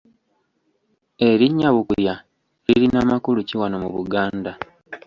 Erinnya Bukuya lirina makulu ki wano mu Buganda?